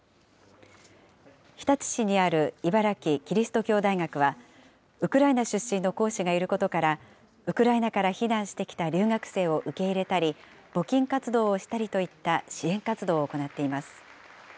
日立市にある茨城キリスト教大学は、ウクライナ出身の講師がいることから、ウクライナから避難してきた留学生を受け入れたり、募金活動をしたりといった支援活動を行っています。